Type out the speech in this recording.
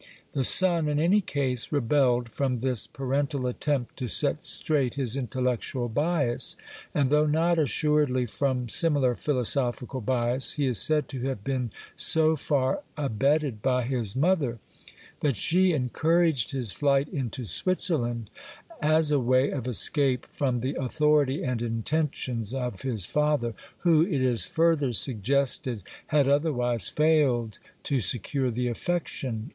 The son in any case rebelled from this parental attempt to set straight his intellectual bias, and, though not assuredly from similar philosophical bias, he is said to have been so far abetted by his mother that she encouraged his flight into Switzerland as a way of escape from the authority and intentions of his father, who, it is further suggested, had otherwise failed to secure the aff'ection of his child.